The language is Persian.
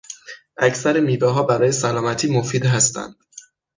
اکثر میوهها برای سلامتی مفید هستند.